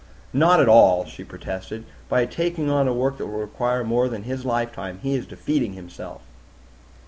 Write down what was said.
"Not at all!" she protested. "By taking on a work that will require more time than his lifetime, he is defeating himself."